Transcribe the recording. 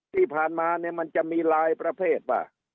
ที่ผ่านมามันจะมีหลายประเภทป่ะ